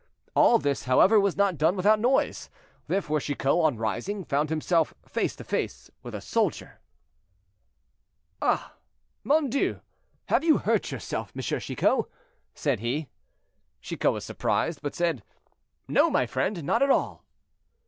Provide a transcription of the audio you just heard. All this, however, was not done without noise, therefore Chicot, on rising, found himself face to face with a soldier. "Ah! mon Dieu! have you hurt yourself, M. Chicot?" said he. Chicot was surprised, but said, "No, my friend, not at all."